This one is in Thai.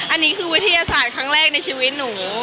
อันนี้คือวิทยาศาสตร์ครั้งแรกในชีวิตหนู